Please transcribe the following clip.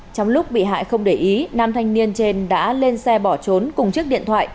trong lúc bị hại không để ý nam thanh niên trên đã lên xe bỏ trốn cùng chiếc điện thoại